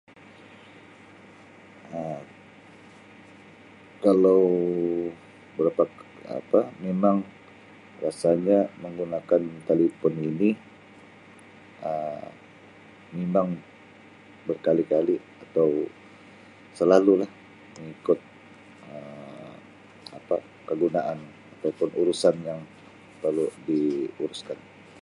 Um Kalau berapa apa memang pasalnya menggunakan talipun ini Um mimang berkali-kali atau selalulah mengikut Um apa kegunaan ataupun urusan yang perlu diuruskan.